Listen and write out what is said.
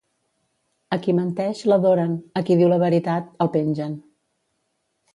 A qui menteix, l'adoren; a qui diu la veritat, el pengen.